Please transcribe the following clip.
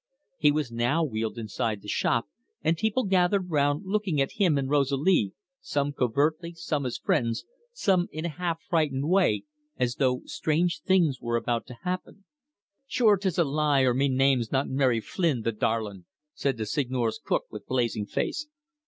He was now wheeled inside the shop, and people gathered round, looking at him and Rosalie, some covertly, some as friends, some in a half frightened way, as though strange things were about to happen. "Shure, 'tis a lie, or me name's not Mary Flynn the darlin'!" said the Seigneur's cook, with blazing face.